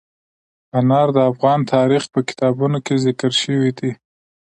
انار د افغان تاریخ په کتابونو کې ذکر شوی دي.